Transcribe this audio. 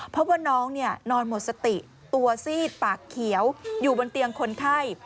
พบว่าน้องนอนหมดสติตัวซีดปากเขียวอยู่บนเตียงคนไข้